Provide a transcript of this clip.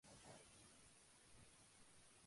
La maestranza cuenta con cuatro cocheras a dos aguas.